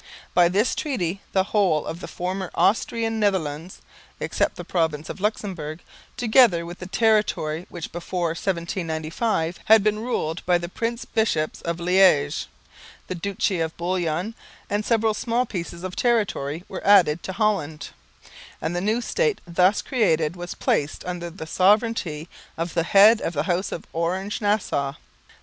By this treaty the whole of the former Austrian Netherlands (except the province of Luxemburg) together with the territory which before 1795 had been ruled by the prince bishops of Liège, the Duchy of Bouillon and several small pieces of territory were added to Holland; and the new State thus created was placed under the sovereignty of the head of the House of Orange Nassau.